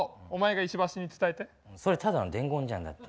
それただの伝言じゃんだって。